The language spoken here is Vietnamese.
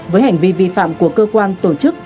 với hành vi vi phạm của cơ quan tổ chức